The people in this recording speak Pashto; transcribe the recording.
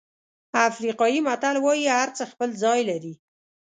افریقایي متل وایي هرڅه خپل ځای لري.